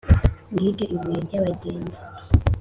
ngiryo ibuye rya bagenge